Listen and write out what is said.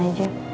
ambil sih pak